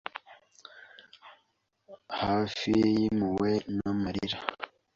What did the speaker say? Hafi yimpuhwe namarira